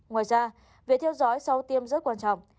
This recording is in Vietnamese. ngoài ra việc theo dõi sau tiêm rất quan trọng